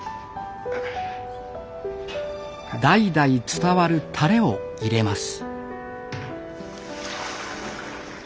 代々伝わるタレを入れます。